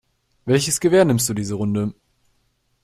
Welches Gewehr nimmst du diese Runde?